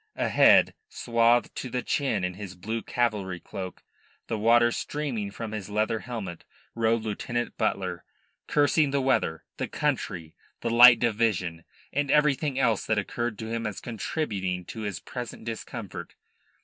Ahead, swathed to the chin in his blue cavalry cloak, the water streaming from his leather helmet, rode Lieutenant Butler, cursing the weather, the country; the Light Division, and everything else that occurred to him as contributing to his present discomfort.